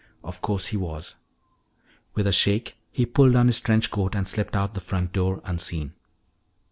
Of course he was. With a shake he pulled on his trench coat and slipped out the front door unseen.